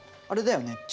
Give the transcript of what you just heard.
あれだよね